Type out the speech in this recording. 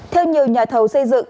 theo nhiều nhà thầu xây dựng